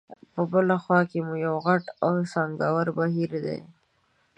په بله خوا کې مو یو غټ او څانګور بهیر دی.